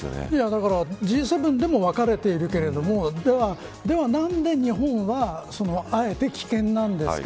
だから、Ｇ７でも分かれているけれどもでは何で日本はあえて棄権なんですか。